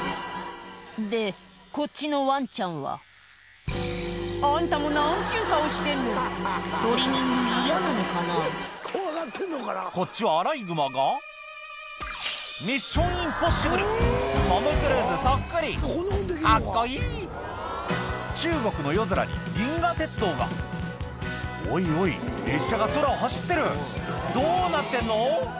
でこっちのワンちゃんはあんたも何ちゅう顔してんのトリミング嫌なのかなこっちはアライグマが『ミッション：インポッシブル』トム・クルーズそっくり！カッコいい中国の夜空に銀河鉄道がおいおい列車が空を走ってるどうなってんの？